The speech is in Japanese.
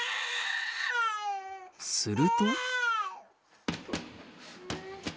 すると。